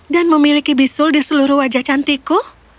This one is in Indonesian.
dan memiliki bisul di seluruh wajah cantiku